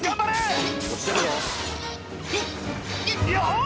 よし！